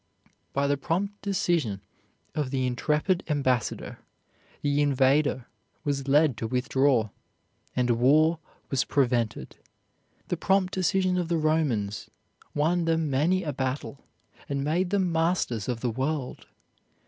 By the prompt decision of the intrepid ambassador the invader was led to withdraw, and war was prevented. The prompt decision of the Romans won them many a battle, and made them masters of the world.